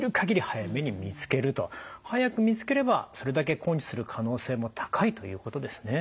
早く見つければそれだけ根治する可能性も高いということですね。